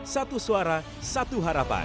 satu suara satu harapan